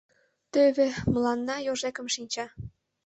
Тӧвӧ, мыланна йожекын шинча.